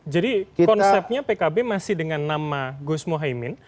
jadi konsepnya pkb masih dengan nama gus muhaymin